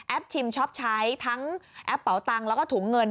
ชิมชอบใช้ทั้งแอปเป๋าตังค์แล้วก็ถุงเงิน